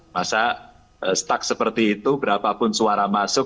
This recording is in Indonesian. masa stuck seperti itu berapapun suara masuk